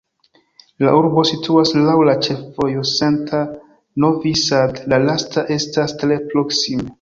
La urbo situas laŭ la ĉefvojo Senta-Novi Sad, la lasta estas tre proksime.